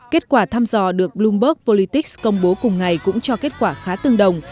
kết quả tham dò được bloomberg politics công bố cùng ngày cũng cho kết quả khá tương đồng